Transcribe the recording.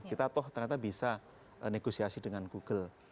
kita toh ternyata bisa negosiasi dengan google